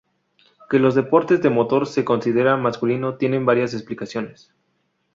Que los deportes de motor se consideraran masculinos tiene varias explicaciones.